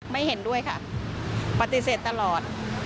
ไม่เห็นด้วยค่ะปฏิเสธตลอด